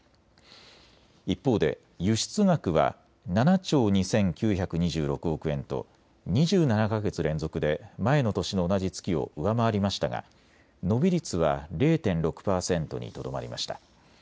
一方で輸出額は７兆２９２６億円と２７か月連続で前の年の同じ月を上回りましたが伸び率は０．６％にとどまりました。